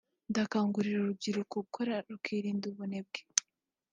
ndakangurira urubyuruko gukora rukirinda ubunebwe